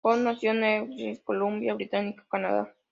Johnson nació en New Westminster, Columbia Británica, Canadá.